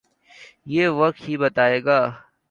یہ وقت ہی بتائے گا۔